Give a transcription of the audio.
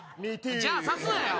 じゃあ、さすなよ。